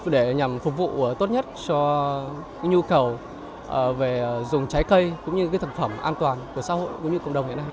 để nhằm phục vụ tốt nhất cho nhu cầu về dùng trái cây cũng như thực phẩm an toàn của xã hội cũng như cộng đồng hiện nay